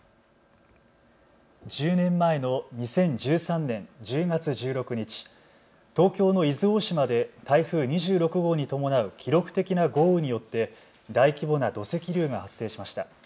１０年前の２０１３年１０月１６日、東京の伊豆大島で台風２６号に伴う記録的な豪雨によって大規模な土石流が発生しました。